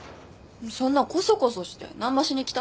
そんなこそこそして何ばしに来た？